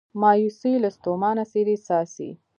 مایوسي یې له ستومانه څیرې څاڅي